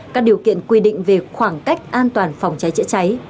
các điều kiện quy định về khoảng cách an toàn phòng cháy chữa cháy